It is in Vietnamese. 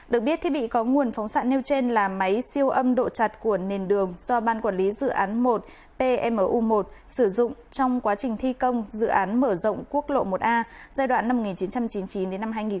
được biết thiết bị có nguồn phóng xạ nêu trên là máy siêu âm độ chặt của nền đường do ban quản lý dự án một pmu một sử dụng trong quá trình thi công dự án mở rộng quốc lộ một a giai đoạn một nghìn chín trăm chín mươi chín hai nghìn ba